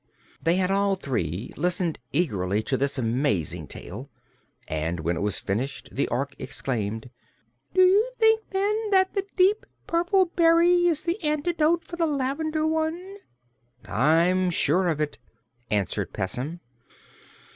They had all three listened eagerly to this amazing tale, and when it was finished the Ork exclaimed: "Do you think, then, that the deep purple berry is the antidote for the lavender one?" "I'm sure of it," answered Pessim.